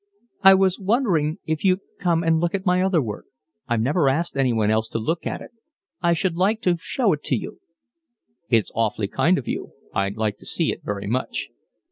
"I was wondering if you'd come and look at my other work. I've never asked anyone else to look at it. I should like to show it to you." "It's awfully kind of you. I'd like to see it very much."